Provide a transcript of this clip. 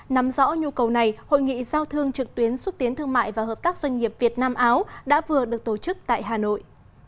nắm rõ nhu cầu này hội nghị giao thương trực tuyến xúc tiến thương mại và hợp tác doanh nghiệp việt nam áo đã vừa được tổ chức tại hà nội